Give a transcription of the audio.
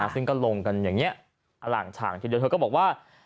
ซึ่งก็ลงกันอย่างนี้อล่างฉ่างทีเดียวเธอก็บอกว่า